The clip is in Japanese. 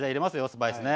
スパイスね。